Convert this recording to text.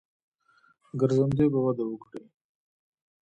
ګرځندوی به وده وکړي.